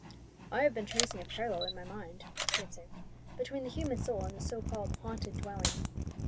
"I have been tracing a parallel in my mind," he observed, "between the human soul and the so called haunted dwelling.